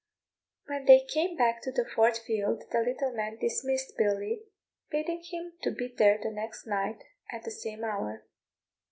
When they came back to the Fort field the little man dismissed Billy, bidding him to be there the next night at the same hour.